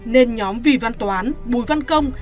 nên nhóm vì văn toán bùi văn công